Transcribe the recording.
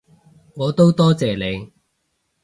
我都多謝你